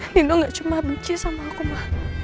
nino gak cuma benci sama aku ma